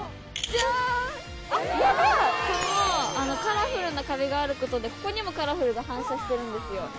これはカラフルな壁があることでここにもカラフルが反射してるんですよ。